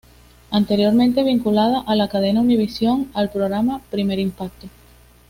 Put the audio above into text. Anteriormente vinculada a la cadena Univision, al programa Primer Impacto.